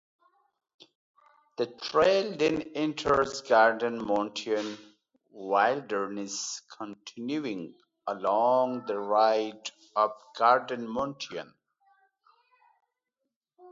The trail then enters Garden Mountain Wilderness continuing along the ridge of Garden Mountain.